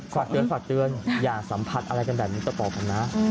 ฝากเตือนฝากเตือนอย่าสัมผัสอะไรกันแบบนี้ก็ต่อกันนะ